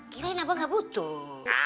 kirain abang gak butuh